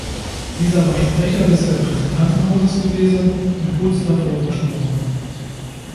Dieser war Sprecher des Repräsentantenhauses gewesen und kurz davor verstorben.